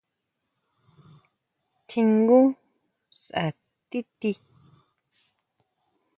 ¿Tjingú sjá tíʼti?